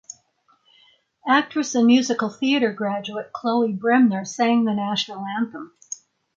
Actress and musical theatre graduate Chloe Bremner sang the national anthem.